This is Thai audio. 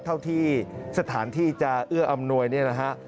เท่าที่สถานที่จะเอื้ออำนวยเนี่ยนะฮะ